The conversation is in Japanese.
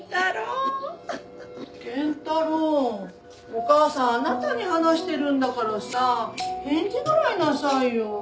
お母さんあなたに話してるんだからさ返事ぐらいなさいよ。